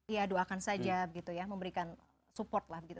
ya doakan saja gitu ya memberikan support lah gitu